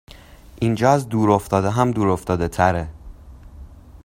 اینجااز دور افتاده هم دور افتاده تره